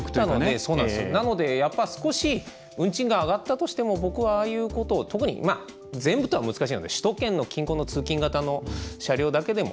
なので少し運賃が上がったとしても僕は、ああいうことを特に全部というのは難しいので首都圏の近郊の通勤型の車両だけでも。